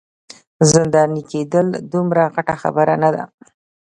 زنداني کیدل دومره غټه خبره نه ده.